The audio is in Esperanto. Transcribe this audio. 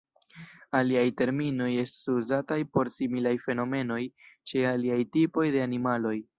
Aliaj terminoj estas uzataj por similaj fenomenoj ĉe aliaj tipoj de animaloj.